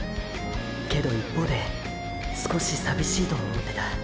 けど一方で少し寂しいとも思ってた。